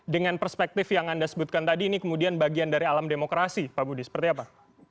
dengan perspektif yang anda sebutkan tadi ini kemudian bagian dari alam demokrasi pak budi seperti apa